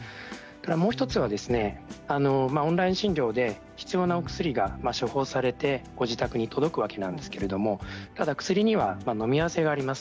もう１つはオンライン診療で必要な薬が処方されてご自宅に届くわけなんですけれどただ薬にはのみ合わせがあります。